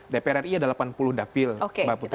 dpr ri ada delapan puluh dapil mbak putri